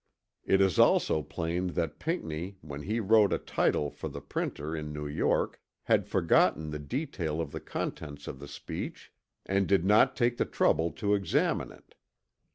It is also plain that Pinckney when he wrote a title for the printer in New York had forgotten the detail of the contents of the speech and did not take the trouble to examine it.